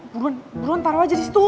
buruan buruan taro aja disitu